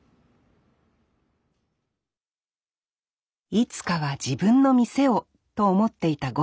いつかは自分の店をと思っていたゴンさん。